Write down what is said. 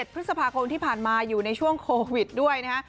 พฤษภาคมที่ผ่านมาอยู่ในช่วงโควิดด้วยนะฮะ